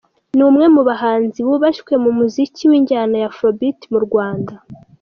Ni umwe mu bahanzi bubashywe mu muziki w’injyana ya Afrobeat mu Rwanda.